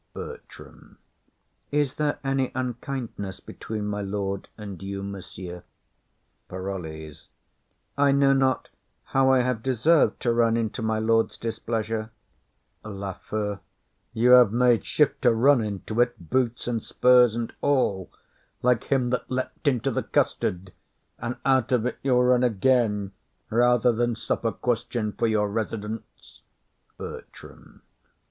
BERTRAM. Is there any unkindness between my lord and you, monsieur? PAROLLES. I know not how I have deserved to run into my lord's displeasure. LAFEW. You have made shift to run into 't, boots and spurs and all, like him that leapt into the custard; and out of it you'll run again, rather than suffer question for your residence. BERTRAM.